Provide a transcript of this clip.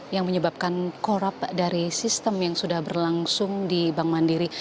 yang menyebabkan corrup dari sistem yang sudah berlangsung di bank mandiri